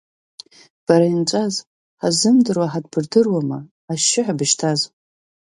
Бара инҵәаз, ҳаззымдыруа ҳадбырдыруама, ашьшьыҳәа, бышьҭаз!